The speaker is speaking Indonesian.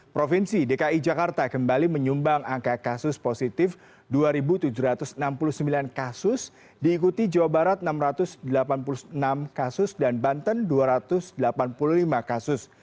provinsi dki jakarta kembali menyumbang angka kasus positif dua tujuh ratus enam puluh sembilan kasus diikuti jawa barat enam ratus delapan puluh enam kasus dan banten dua ratus delapan puluh lima kasus